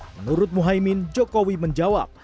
menurut mohaimin jokowi menjawab